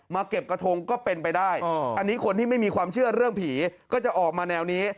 เก็บกระทงก็เป็นไปได้อันนี้คนที่ไม่มีความเชื่อเรื่องผีก็จะออกมาแนวนี้